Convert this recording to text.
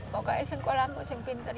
pokoknya sekolah saya pintar